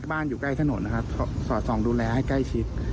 บ้านอยู่ใกล้ถนนนะครับสอดส่องดูแลให้ใกล้ชิด